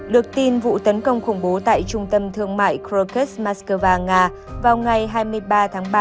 được tin vụ tấn công khủng bố tại trung tâm thương mại krokus moscow nga vào ngày hai mươi ba tháng ba